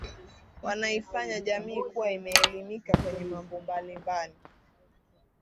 wanaifanya jamii kuwa imeelimika kwenye mambo mbali mbali